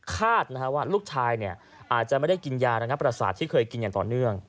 คาดนะฮะว่าลูกชายเนี้ยอาจจะไม่ได้กินยานะนะปรสาทที่เคยกินอย่างต่อเนื่อง